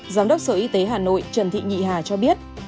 giám đốc sở y tế hà nội trần thị nhị hà cho biết